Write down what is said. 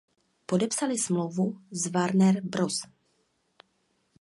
Podepsali smlouvu s Warner Bros.